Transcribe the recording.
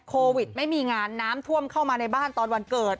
โควิดไม่มีงานน้ำท่วมเข้ามาในบ้านตอนวันเกิด